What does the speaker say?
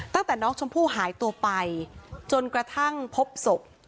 ตั้งแต่น้องชมพู่หายตัวไปจนกระทั่งพบศพ